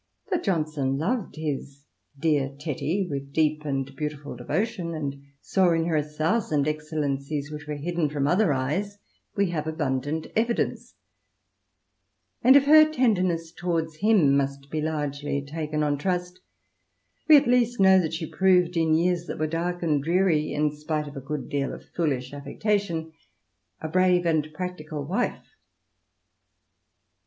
That Johnson loved his " dear Tetty " with deep and beautiful devotion, and saw in her a thousand excellencies which were hidden from other eyes, we have abundant evidence; and if her tenderness towards him must be largely taken on trust, we at least know that she proved in years that were dark and dreary, in spite of a good deal of foolish affectation, a brave and practical wife.